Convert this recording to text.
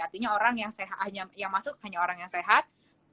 artinya orang yang masuk hanya orang yang sehat